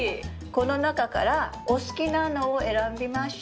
この中からお好きなのを選びましょう。